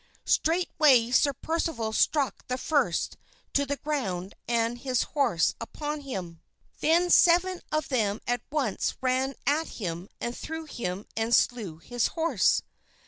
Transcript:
Straightway Sir Percival struck the first to the ground and his horse upon him. Then seven of them at once ran at him and threw him and slew his horse.